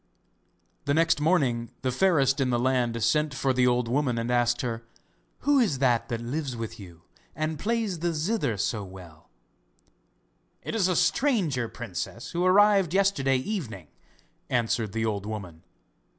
The next morning the Fairest in the Land sent for the old woman and asked her, 'Who is it that lives with you, and plays the zither so well?' 'It is a stranger, princess, who arrived yesterday evening,' answered the old woman.